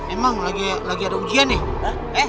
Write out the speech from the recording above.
emang lagi lagi ada ujian ya eh